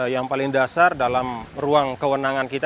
yang paling dasar dalam ruang kewenangan kita